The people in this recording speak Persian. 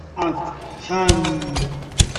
اَفخم